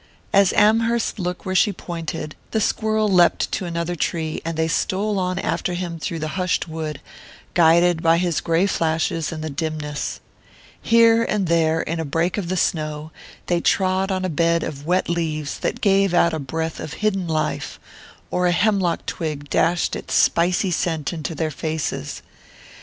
As Amherst looked where she pointed, the squirrel leapt to another tree, and they stole on after him through the hushed wood, guided by his grey flashes in the dimness. Here and there, in a break of the snow, they trod on a bed of wet leaves that gave out a breath of hidden life, or a hemlock twig dashed its spicy scent into their faces.